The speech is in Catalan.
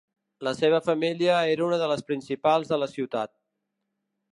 La seva família era una de les principals de la ciutat.